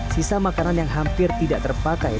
sisa makanan yang hampir tidak terpakai